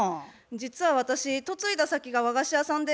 実は私嫁いだ先が和菓子屋さんで。